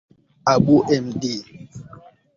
Abu Md.